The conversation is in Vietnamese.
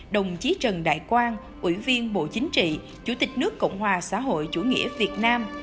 đồng chí trần đại quang ủy viên bộ chính trị chủ tịch nước cộng hòa xã hội chủ nghĩa việt nam